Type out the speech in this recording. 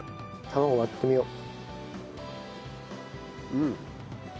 卵割ってみよう。